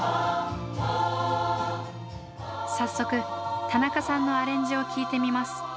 早速田中さんのアレンジを聴いてみます。